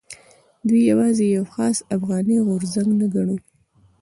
دوی یوازې یو خاص افغاني غورځنګ نه ګڼو.